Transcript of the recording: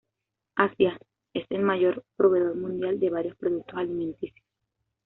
Asia es el mayor proveedor mundial de varios productos alimenticios.